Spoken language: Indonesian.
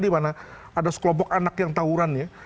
dimana ada sekelompok anak yang tawuran ya